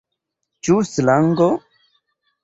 Ĉu slango?